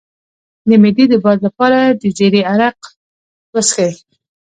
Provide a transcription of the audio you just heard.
د معدې د باد لپاره د زیرې عرق وڅښئ